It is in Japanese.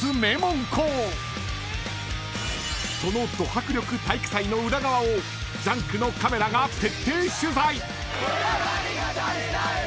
［そのど迫力体育祭の裏側を『ジャンク』のカメラが徹底取材！］